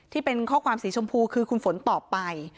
ที่เป็นข้อความสีชมพูคือคุณฝนตอบไป